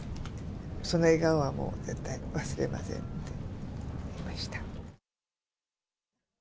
その笑顔は絶対に忘れませんって言いました。